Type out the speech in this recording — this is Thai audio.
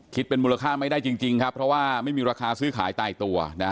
เป็นมูลค่าไม่ได้จริงครับเพราะว่าไม่มีราคาซื้อขายตายตัวนะฮะ